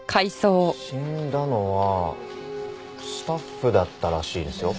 死んだのはスタッフだったらしいですよ。